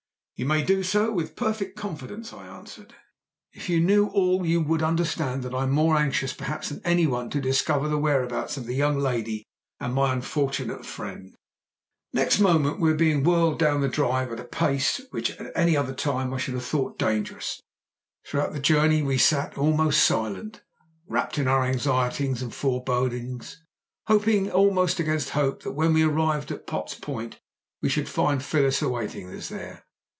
"You may do so with perfect confidence," I answered. "If you knew all you would understand that I am more anxious perhaps than any one to discover the whereabouts of the young lady and my unfortunate friend." Next moment we were being whirled down the drive at a pace which at any other time I should have thought dangerous. Throughout the journey we sat almost silent, wrapped in our anxieties and forebodings; hoping almost against hope that when we arrived at Potts Point we should find Phyllis awaiting us there.